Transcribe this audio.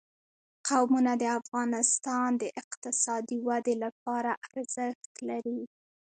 قومونه د افغانستان د اقتصادي ودې لپاره ارزښت لري.